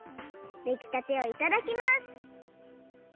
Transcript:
できたてをいただきます！